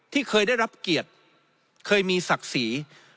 ที่เคยได้รับเกียรติเคยมีศักดิ์ศรี